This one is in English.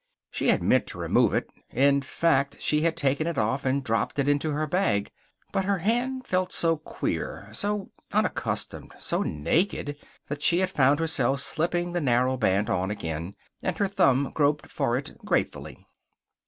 She had meant to remove it. In fact, she had taken it off and dropped it into her bag. But her hand felt so queer, so unaccustomed, so naked, that she had found herself slipping the narrow band on again, and her thumb groped for it, gratefully.